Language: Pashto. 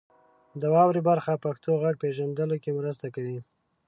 د واورئ برخه پښتو غږ پیژندلو کې مرسته کوي.